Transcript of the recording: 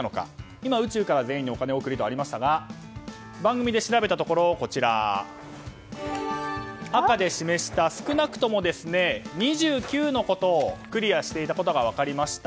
今、宇宙から全員にお金を贈るとありましたが番組で調べたところ赤で示した少なくとも２９のことをクリアしていたことが分かりました。